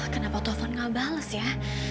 kenapa telepon gak bales ya